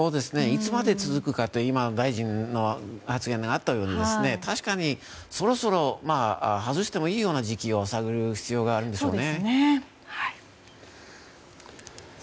いつまで続くかって今、大臣の発言にもあったように確かにそろそろ外してもいいような時期を探る必要があるでしょう。